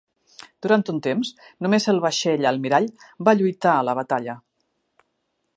Durant un temps només el vaixell almirall va lluitar a la batalla.